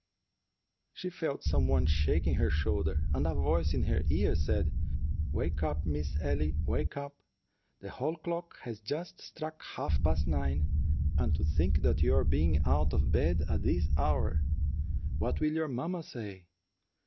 She felt some one shaking her shoulder, and a voice in her ear said, "Wake up, Miss Ellie, wake up. The hall clock has just struck half past nine, and to think of your being out of bed at this hour! What will your mamma say?